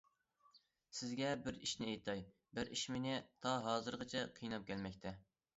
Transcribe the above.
سىزگە بىر ئىشنى ئېيتاي... بىر ئىش مېنى تا ھازىرغىچە قىيناپ كەلمەكتە...